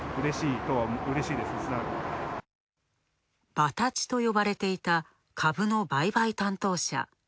場立ちと呼ばれていた株の売買担当者。